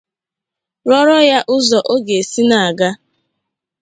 rụọrọ ya ụzọ ọ ga-esi na-aga